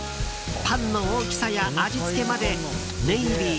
パンの大きさや味付けまでネイビー